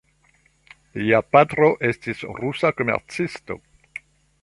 Lia patro estis rusa komercisto.